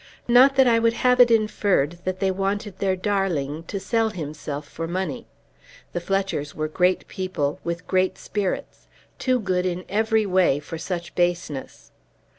Not that I would have it inferred that they wanted their darling to sell himself for money. The Fletchers were great people, with great spirits, too good in every way for such baseness.